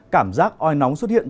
cảm giác oai nóng xuất hiện